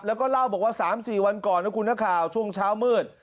แล้วก็เล่าบอกว่าสามสี่วันก่อนนะครับคุณฮะข่าวช่วงเช้ามืด